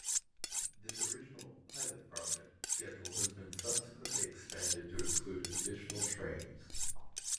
This original "pilot project" schedule has been subsequently expanded to include additional trains.